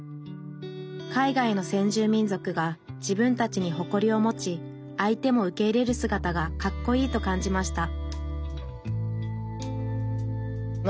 海外の先住民族が自分たちに誇りを持ち相手も受け入れるすがたがかっこいいと感じました